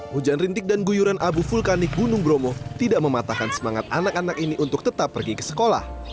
hujan rintik dan guyuran abu vulkanik gunung bromo tidak mematahkan semangat anak anak ini untuk tetap pergi ke sekolah